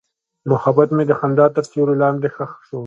محبت مې د خندا تر سیوري لاندې ښخ شو.